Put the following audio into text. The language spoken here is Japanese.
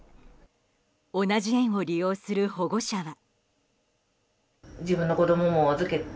同じ園を利用する保護者は。